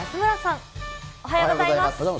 おはようございます。